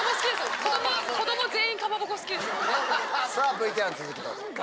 ＶＴＲの続きどうぞ。